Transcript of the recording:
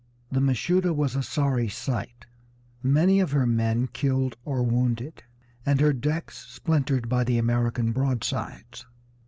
The Mashuda was a sorry sight, many of her men killed or wounded, and her decks splintered by the American broadsides.